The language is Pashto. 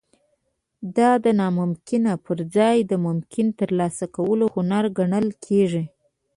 دا د ناممکن پرځای د ممکنه ترلاسه کولو هنر ګڼل کیږي